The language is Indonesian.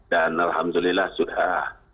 dan alhamdulillah sudah